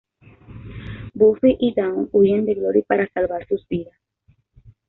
Buffy y Dawn huyen de Glory para salvar sus vidas.